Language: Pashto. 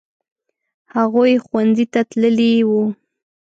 هغوی ښوونځي ته تللي وو.